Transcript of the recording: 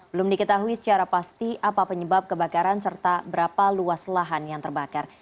belum diketahui secara pasti apa penyebab kebakaran serta berapa luas lahan yang terbakar